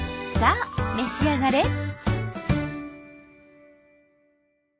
さあ召し上がれ！